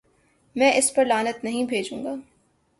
میں اس پر لعنت نہیں بھیجوں گا۔